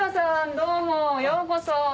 どうもようこそ。